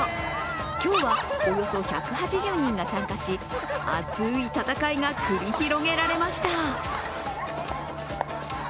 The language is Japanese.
今日はおよそ１８０人が参加し熱い戦いが繰り広げられました。